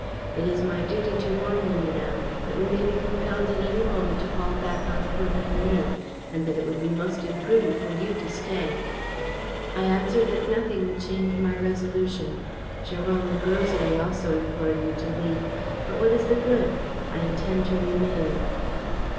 It is my duty to warn you, madame, that we may be compelled at any moment to fall back on Corvigny and that it would be most imprudent for you to stay.' "I answered that nothing would change my resolution. Jérôme and Rosalie also implored me to leave. But what is the good? I intend to remain."